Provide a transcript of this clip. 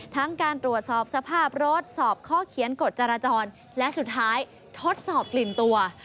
ทั้งการตรวจสอบสภาพรถสอบข้อเขียนกฎจราจรและสุดท้ายทดสอบกลิ่นตัว